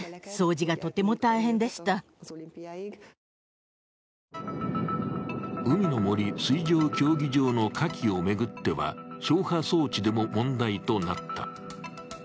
だが、その裏にあった理由は海の森水上競技場のかきを巡っては、消波装置でも問題となった。